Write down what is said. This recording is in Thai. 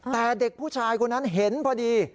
แต่เด็กผู้ชายคนนั้นเห็นพอดี